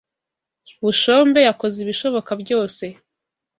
Bushombe yakoze ibishoboka byose.